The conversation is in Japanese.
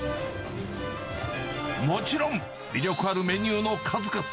もちろん、魅力あるメニューの数々。